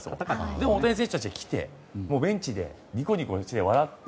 でも、大谷選手たちが来てベンチでニコニコ笑って。